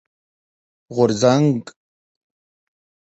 غورځنګ